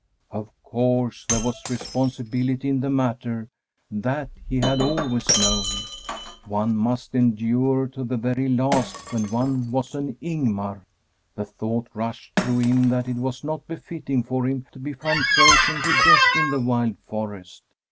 Of course there was responsibility in the matter; that he had always known. One must endure to the very last when one was an Ing^ar. The thought rushed through him that it was not befitting for him to be found frozen to death in the wild forest.